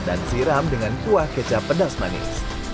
dan siram dengan kuah kecap pedas manis